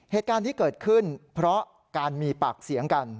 เหตุการณ์ที่เกิดขึ้นเพราะการมีปากเสียงกัน